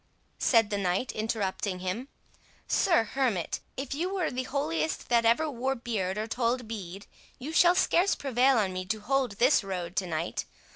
said the knight interrupting him,—"Sir Hermit, if you were the holiest that ever wore beard or told bead, you shall scarce prevail on me to hold this road to night.